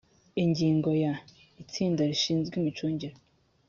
ingingo ya… itsinda rishinzwe imicungire